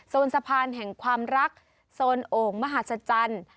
สะพานแห่งความรักโซนโอ่งมหาศจรรย์